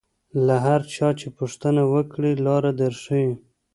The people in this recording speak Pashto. له هر چا چې پوښتنه وکړې لاره در ښیي.